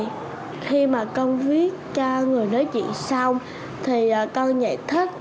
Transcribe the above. ngày khi mà con viết cho người nói chuyện xong thì con giải thích